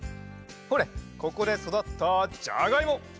ほれここでそだったじゃがいも！